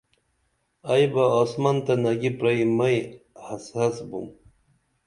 ائی بہ آسمن تہ نگی پری مئی حس حس بُم